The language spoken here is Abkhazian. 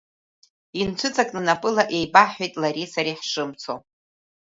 Инцәыҵакны напыла еибаҳҳәеит лареи сареи ҳшымцо.